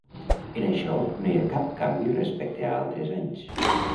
En això no hi ha cap canvi respecte a altres anys.